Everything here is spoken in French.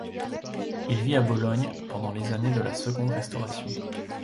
Il vit à Bologne pendant les années de la seconde restauration.